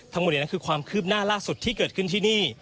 ทั้งหมดนี้คือความคืบหน้าล่าสุดที่เกิดขึ้นที่นี่